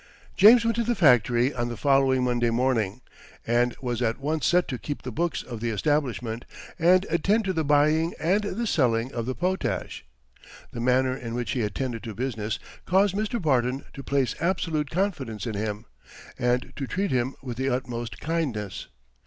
James went to the factory on the following Monday morning, and was at once set to keep the books of the establishment, and attend to the buying and the selling of the potash. The manner in which he attended to business caused Mr. Barton to place absolute confidence in him, and to treat him with the utmost kindness.